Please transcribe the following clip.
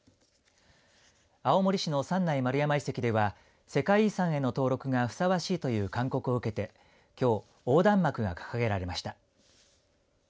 青森市の三内丸山遺跡では世界遺産への登録がふさわしいという勧告を受けてきょう横断幕が掲げられました。